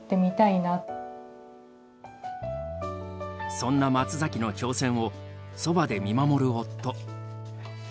そんな松崎の挑戦をそばで見守る夫。